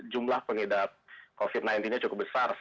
jumlah pengidap covid sembilan belas nya cukup besar